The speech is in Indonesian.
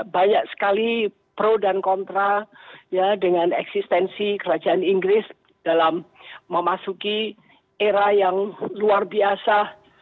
banyak sekali pro dan kontra dengan eksistensi kerajaan inggris dalam memasuki era yang luar biasa